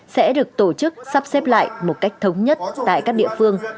sẽ được tổ chức sắp xếp lại một cách thống nhất tại các địa phương